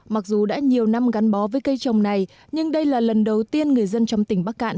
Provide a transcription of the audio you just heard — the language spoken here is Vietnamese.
mặc dù đã nhiều năm gắn bó với cây trồng này nhưng đây là lần đầu tiên người dân trong tỉnh bắc cạn